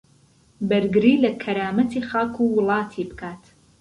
بەرگری لە کەرامەتی خاک و وڵاتی بکات